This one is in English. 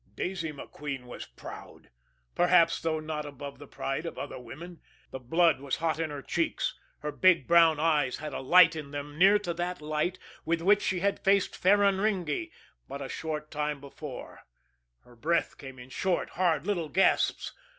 Daisy MacQueen was proud perhaps, though, not above the pride of other women. The blood was hot in her cheeks; her big, brown eyes had a light in them near to that light with which she had faced Ferraringi but a short time before; her breath came in short, hard, little gasps.